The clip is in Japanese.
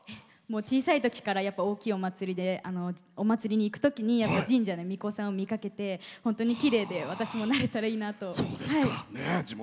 小さいときから大きいお祭りに行くときに神社のみこさんを見かけて本当にきれいで私もなれたらいいなと。